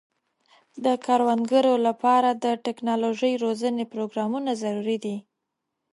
د کروندګرو لپاره د ټکنالوژۍ روزنې پروګرامونه ضروري دي.